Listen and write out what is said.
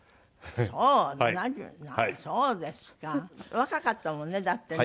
若かったもんねだってね。